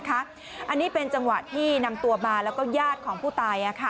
อันนี้เป็นจังหวะที่นำตัวมาแล้วก็ญาติของผู้ตาย